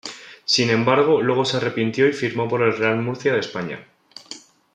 Sin embargo, luego se arrepintió y firmó por el Real Murcia de España.